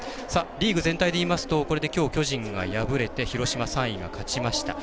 リーグ全体でいいますとこれできょう、巨人が敗れて広島３位が勝ちました。